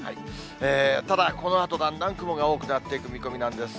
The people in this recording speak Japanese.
ただ、このあと、だんだん雲が多くなっていく見込みなんです。